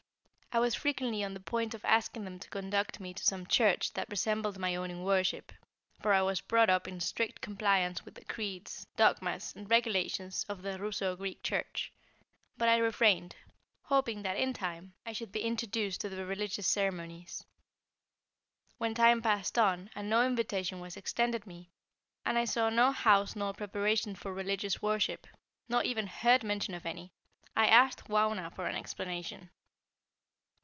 I was frequently on the point of asking them to conduct me to some church that resembled my own in worship, (for I was brought up in strict compliance with the creeds, dogmas, and regulations of the Russo Greek Church) but I refrained, hoping that in time, I should be introduced to their religious ceremonies. When time passed on, and no invitation was extended me, and I saw no house nor preparation for religious worship, nor even heard mention of any, I asked Wauna for an explanation.